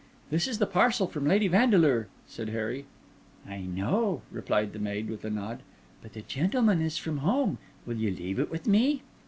"This is the parcel from Lady Vandeleur," said Harry. "I know," replied the maid, with a nod. "But the gentleman is from home. Will you leave it with me?"